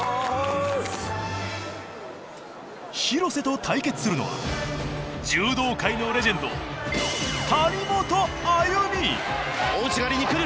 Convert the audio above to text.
廣瀬と対決するのは柔道界のレジェンド大内刈にくる！